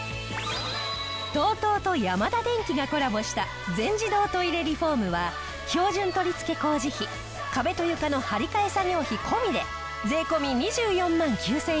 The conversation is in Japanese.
ＴＯＴＯとヤマダデンキがコラボした全自動トイレリフォームは標準取り付け工事費壁と床の張り替え作業費込みで税込２４万９０００円。